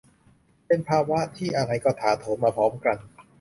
เป็นภาวะที่อะไรก็ถาโถมมาพร้อมกัน